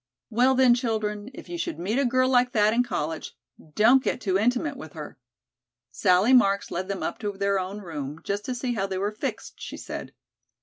"Well, then, children, if you should meet a girl like that in college, don't get too intimate with her." Sally Marks led them up to their own room, just to see how they were fixed, she said.